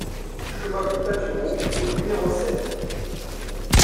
Chemin du Patureau au numéro sept